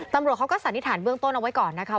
ตำรวจเขาก็สันนิษฐานเบื้องต้นเอาไว้ก่อนนะคะ